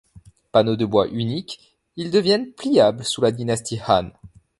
Panneaux de bois uniques, ils deviennent pliables sous la dynastie Han.